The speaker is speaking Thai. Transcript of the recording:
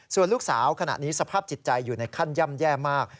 ส่วนลูกสาวขณะนี้สภาพจิตใจอยู่ในขั้นย่ำแย่มาก